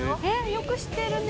よく知ってるね。